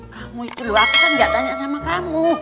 kamu itu lho aku kan gak tanya sama kamu